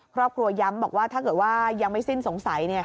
ครอบครัวย้ำบอกว่าถ้าเกิดว่ายังไม่สิ้นสงสัย